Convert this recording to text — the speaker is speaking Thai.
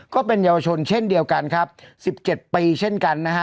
ก็เป็นเยาวชนเช่นเดียวกันครับ๑๗ปีเช่นกันนะฮะ